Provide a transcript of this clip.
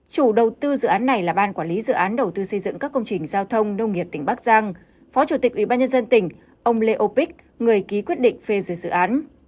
chủ đầu tư dự án này là ban quản lý dự án đầu tư xây dựng các công trình giao thông nông nghiệp tỉnh bắc giang phó chủ tịch ủy ban nhân dân tỉnh ông lê âu bích người ký quyết định phê duyệt dự án